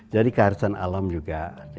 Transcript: jadi keharusan alam juga